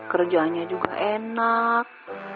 kerjaannya juga enak